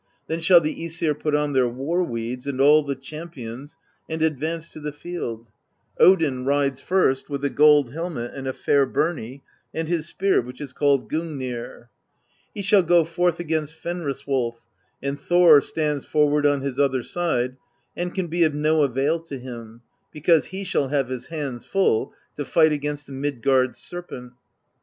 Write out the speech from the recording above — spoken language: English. Then shall the iEsir put on their war weeds, and all the Champions, and advance to the field: Odin rides first with the gold helmet and a fair birnie, and his spear, which is called Gungnir. He shall go forth against Fenris Wolf, and Thor stands forward on his other side, and can be of no avail to him, because he shall have his hands full to fight against the Midgard Serpent.